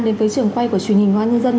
đến với trường quay của truyền hình hoa nhân dân